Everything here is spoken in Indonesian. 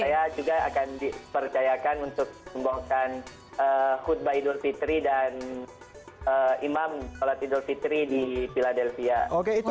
saya juga akan dipercayakan untuk membongkah khutbah idul fitri dan imam sholat idul fitri di philadelphia